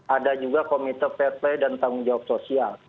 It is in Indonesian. ada juga komite fair play dan tanggung jawab sosial